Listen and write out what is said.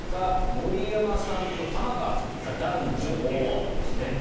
森山さんと玉川さん男女ということですね。